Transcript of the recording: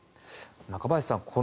中林さん